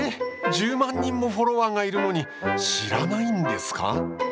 １０万人もフォロワーがいるのに知らないんですか？